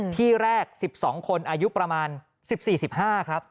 ที่แรก๑๒คนอายุประมาณ๑๔๑๕ครับ